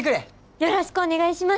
よろしくお願いします！